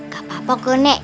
gak apa apa kok nek